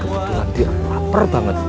kebetulan dia lapar banget